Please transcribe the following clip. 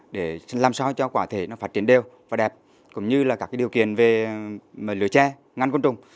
để làm sao cho quả thể nó phát triển đều và đẹp cũng như là các điều kiện về lửa tre ngăn côn trùng